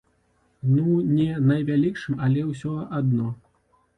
Ну не найвялікшым, але ўсё адно.